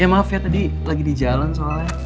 ya maaf ya tadi lagi di jalan soalnya